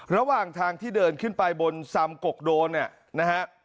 ระหว่างทางที่เดินขึ้นไปบนซำกกโดนเนี่ยนะฮะ